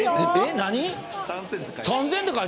何？